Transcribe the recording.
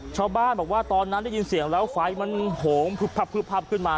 ชาวบ้านบอกว่าตอนนั้นได้ยินเสียงแล้วไฟมันโหงพึบพับขึ้นมา